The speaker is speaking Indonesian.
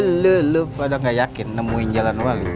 eh kalo lu lu lu pada gak yakin nemuin jalan wali